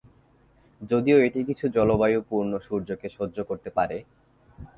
যদিও এটি কিছু জলবায়ুতে পূর্ণ সূর্যকে সহ্য করতে পারে।